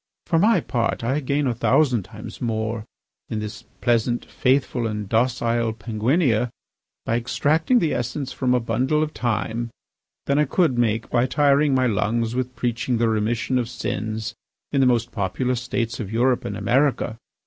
For my part, I gain a thousand times more, in this pleasant, faithful, and docile Penguinia, by extracting the essence from a bundle of thyme, than I could make by tiring my lungs with preaching the remission of sins in the most populous states of Europe and America.